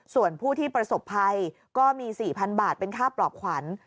ส่วนผู้ที่ประสบภัยก็มี๔๐๐๐บาทเป็นค่าปลอบขวัญ